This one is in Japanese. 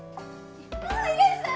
あいらっしゃい。